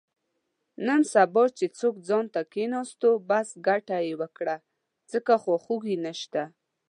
نن سبا چې څوک ځانته کېناستو، بس ګټه یې وکړه، ځکه خواخوږی نشته.